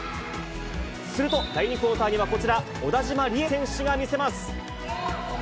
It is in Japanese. すると、第２クオーターには、こちら、小田島理恵選手が見せます。